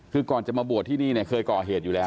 คือก่อนจะมาบวชที่นี่เนี่ยเคยก่อเหตุอยู่แล้ว